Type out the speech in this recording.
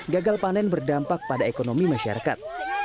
gagal panen berdampak pada ekonomi masyarakat